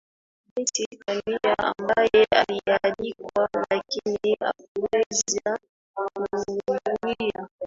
beti kamia ambaye alialikwa lakini hakuweza kuhudhuria